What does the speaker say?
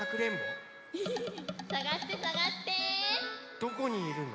どこにいるの？